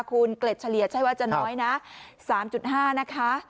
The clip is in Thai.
คูณเกล็ดเฉลี่ยใช่ว่าจะน้อยนะสามจุดห้านะคะ